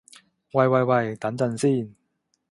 喂喂喂，等陣先